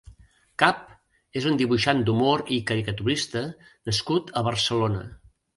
Kap és un dibuixant d'humor i caricaturista nascut a Barcelona.